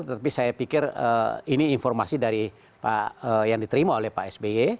tetapi saya pikir ini informasi yang diterima oleh pak sby